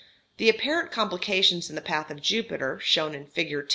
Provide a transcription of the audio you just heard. The apparent complications in the path of Jupiter, shown in Fig.